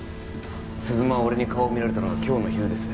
鈴間は俺に顔を見られたのが今日の昼です